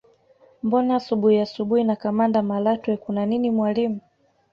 Mbona asubuhi asubuhi na kamanda Malatwe kuna nini mwalimu